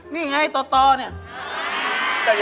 นี่ไงต่อเนี่ย